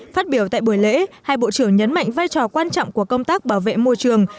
phát biểu tại buổi lễ hai bộ trưởng nhấn mạnh vai trò quan trọng của công tác bảo vệ môi trường